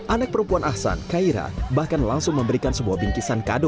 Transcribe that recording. anak perempuan ahsan kaira bahkan langsung memberikan sebuah bingkisan kado